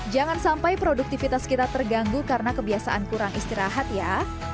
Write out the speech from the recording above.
jangan sampai produktivitas kita terganggu karena kebiasaan kurang istirahat ya